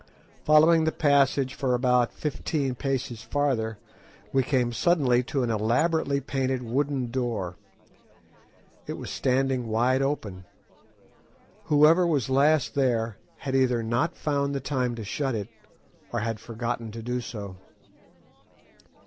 Following the passage for about fifteen paces farther, we came suddenly to an elaborately painted wooden door. It was standing wide open. Whoever was last there had either not found the time to shut it, or had forgotten to do so.